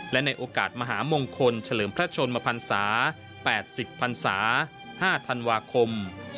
และในโอกาสมหามงคลเฉลิมพระชนมพันศา๘๐พันศา๕ธันวาคม๒๕๖